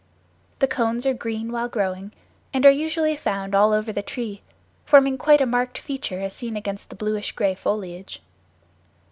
The cones are green while growing, and are usually found over all the tree, forming quite a marked feature as seen against the bluish gray foliage.